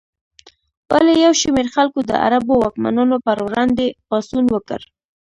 ولې یو شمېر خلکو د عربو واکمنانو پر وړاندې پاڅون وکړ؟